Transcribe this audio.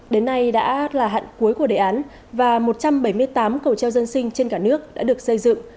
đến nay đã là hạn cuối của đề án và một trăm bảy mươi tám cầu treo dân sinh trên cả nước đã được xây dựng